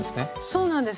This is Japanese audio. そうなんです